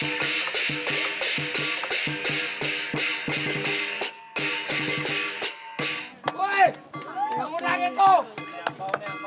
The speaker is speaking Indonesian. nih hampir nih